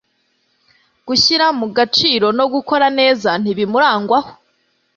gushyira mu gaciro no gukora neza ntibimurangwaho